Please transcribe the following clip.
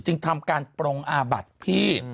จึงทำการปรงอาบัติพี่